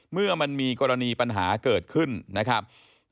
เมื่อมันมีกรณีปัญหาเกิดขึ้นนะครับ